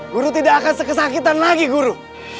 guru tidak akan sekesakitan lagi guru